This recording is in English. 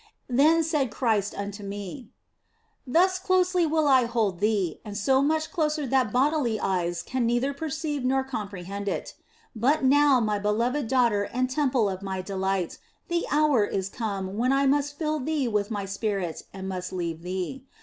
Then said Christ unto me :" Thus closely will I hold thee, and so much closer that bodily eyes can neither perceive nor comprehend it. But now, My beloved daughter and temple of My de light, the hour is come when I must fill thee with My spirit and must leave thee.